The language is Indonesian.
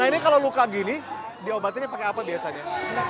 nah ini kalau luka gini diobatin pakai apa biasanya